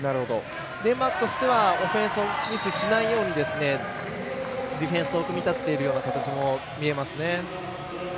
デンマークとしてはオフェンスをミスしないようにディフェンスを組み立てているような形も見えます。